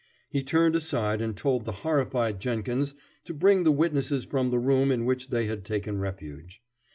He turned aside and told the horrified Jenkins to bring the witnesses from the room in which they had taken refuge.